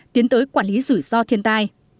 tiến tới quản lý rủi ro thiên tai